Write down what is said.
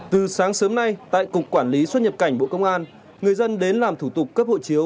từ sáng sớm nay tại cục quản lý xuất nhập cảnh bộ công an người dân đến làm thủ tục cấp hộ chiếu